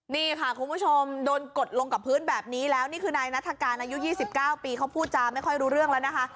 นี่ค่ะคุณผู้ชมโดนกดลงกับพื้นแบบนี้แล้วนี่คือนายนัฐกาลอายุ๒๙ปีเขาพูดจาไม่ค่อยรู้เรื่องแล้วนะคะ